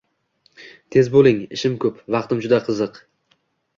Tez bo’ling, Ishim ko’p. Vaqtim juda ziq.